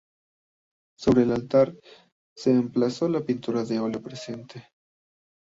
Sobre el altar se emplazó la pintura al óleo presente.